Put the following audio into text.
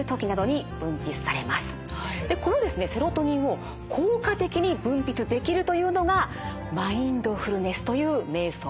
セロトニンを効果的に分泌できるというのがマインドフルネスというめい想法なんです。